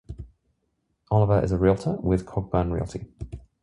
Olivier is a Realtor with Cogburn Realty.